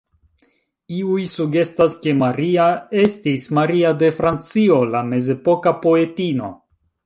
Iuj sugestas ke Maria estis Maria de Francio, la mezepoka poetino.